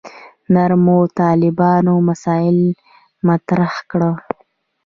نرمو طالبانو مسأله مطرح کړه.